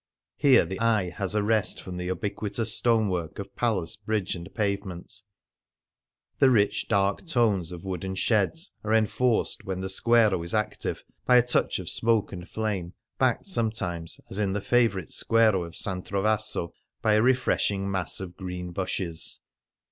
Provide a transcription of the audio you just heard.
Here the eye has a rest from the ubiquitous stonework of palace, bridge, and pavement; the rich, dark tones of wooden sheds are enforced when the squero is active by a touch of smoke and flame, backed sometimes, as in the favourite squero of S. Trovaso, by a re freshing mass of green bushes.